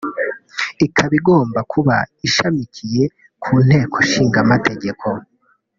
ikaba igomba kuba ishamikiye ku Nteko Ishinga Amategeko